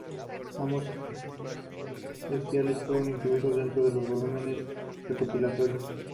Ambos especiales fueron incluidos dentro de los volúmenes recopilatorios.